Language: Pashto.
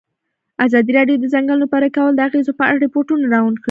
ازادي راډیو د د ځنګلونو پرېکول د اغېزو په اړه ریپوټونه راغونډ کړي.